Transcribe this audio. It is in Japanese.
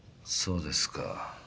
そうですか。